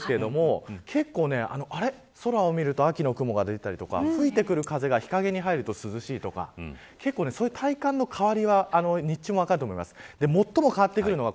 昼間は暑いんですが空を見ると秋の雲が出てたりとか吹いてくる風が日陰に入ると涼しいとかそういう体感の変わりは日中も分かると思います。